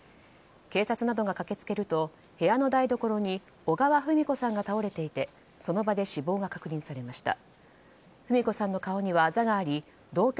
警察などが駆け付けると部屋の台所に小川文子さんが倒れていてその場で死亡が確認されました。